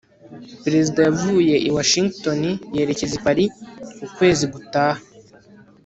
perezida yavuye i washington yerekeza i paris ukwezi gutaha